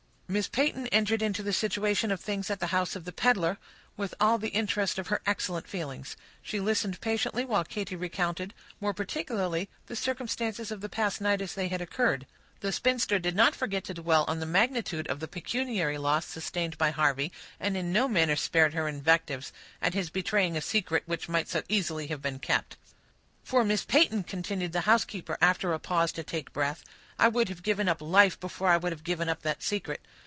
Miss Peyton entered into the situation of things at the house of the peddler, with all the interest of her excellent feelings; she listened patiently while Katy recounted, more particularly, the circumstances of the past night as they had occurred. The spinster did not forget to dwell on the magnitude of the pecuniary loss sustained by Harvey, and in no manner spared her invectives, at his betraying a secret which might so easily have been kept. "For, Miss Peyton," continued the housekeeper, after a pause to take breath, "I would have given up life before I would have given up that secret.